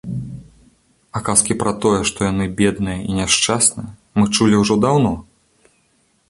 А казкі пра тое, што яны бедныя і няшчасныя, мы чулі ўжо даўно.